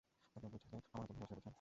তাকে বুঝতে আমার হয়ত ভুল হয়েছিল, বুঝলেন?